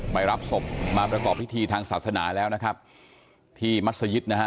รับศพมาประกอบพิธีทางศาสนาแล้วนะครับที่มัศยิตนะฮะ